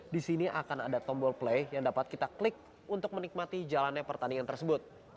di sini akan ada tombol play yang dapat kita klik untuk menikmati jalannya pertandingan tersebut